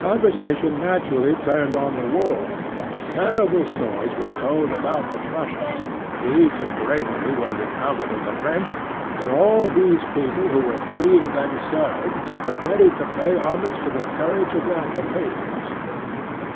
Conversation naturally turned on the war. Terrible stories were told about the Prussians, deeds of bravery were recounted of the French; and all these people who were fleeing themselves were ready to pay homage to the courage of their compatriots.